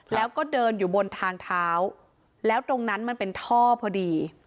แล้วก็เดินอยู่บนทางเท้าแล้วตรงนั้นมันเป็นท่อพอดี